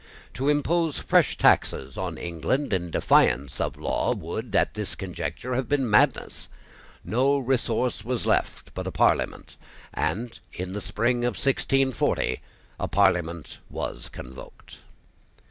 To impose fresh taxes on England in defiance of law, would, at this conjuncture, have been madness. No resource was left but a Parliament; and in the spring of 1640 a Parliament was convoked.